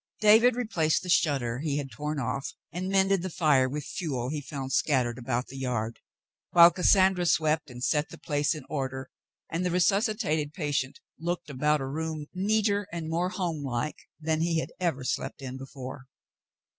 David replaced the shutter he had torn off and mended the fire with fuel he found scattered about the yard; while Cassandra swept and set the place in order and the re suscitated patient looked about a room neater and more homelike than he had ever slept in before.